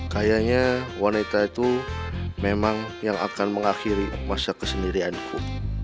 kayaknya wanita itu memang yang akan mengakhiri masa kesendirianku